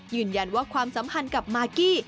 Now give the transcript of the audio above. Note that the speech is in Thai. ยืนยันว่าความสัมพันธ์กับมากกี้